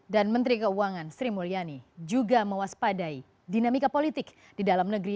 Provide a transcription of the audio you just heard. dan menteri keuangan sri mulyani juga mewaspadai dinamika politik di dalam negeri